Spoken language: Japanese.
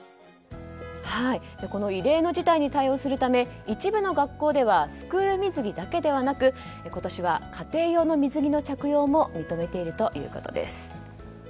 この異例の事態に対応するため一部の学校ではスクール水着だけではなく今年は家庭用の水着の着用も認めているということです。